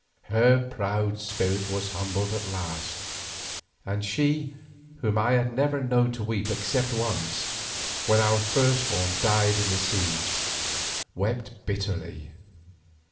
Her proud spirit was humbled at last, and she, whom I had never known to weep except once, when our firstborn died in the siege, wept bitterly.